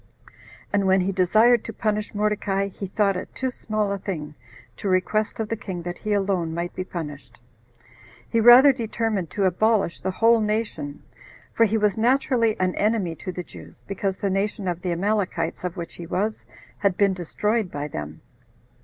And when he desired to punish Mordecai, he thought it too small a thing to request of the king that he alone might be punished; he rather determined to abolish the whole nation, for he was naturally an enemy to the Jews, because the nation of the Amalekites, of which he was; had been destroyed by them.